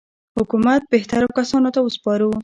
حکومت بهترو کسانو ته وسپارو.